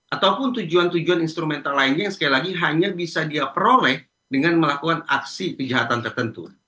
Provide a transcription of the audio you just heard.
ataupun tujuan tujuan instrumental lainnya yang sekali lagi hanya bisa dia peroleh dengan melakukan aksi kejahatan tertentu